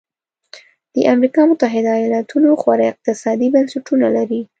د امریکا متحده ایالتونو غوره اقتصادي بنسټونه لري.